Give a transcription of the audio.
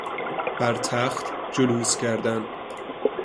بر تخت جلوس کردن